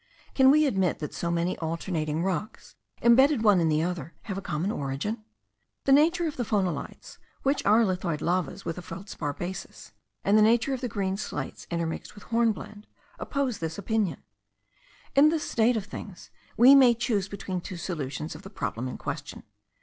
Can we admit that so many alternating rocks, imbedded one in the other, have a common origin? The nature of the phonolites, which are lithoid lavas with a feldspar basis, and the nature of the green slates intermixed with hornblende, oppose this opinion. In this state of things we may choose between two solutions of the problem in question.